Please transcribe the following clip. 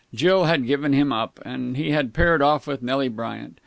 Jill had given him up, and he had paired off with Nelly Bryant.